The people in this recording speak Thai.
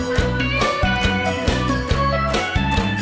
เสียบทุกเพลง